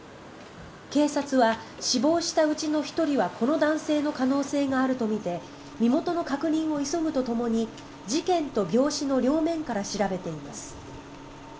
警察は死亡したうちの１人はこの男性の可能性があるとみて身元の確認を急ぐとともに事件と病死の両面から調べています。